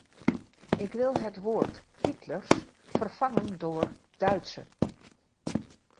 Ik wil het woord “Hitlers” vervangen door “Duitse”.